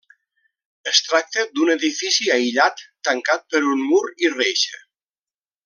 Es tracta d'un edifici aïllat tancat per un mur i reixa.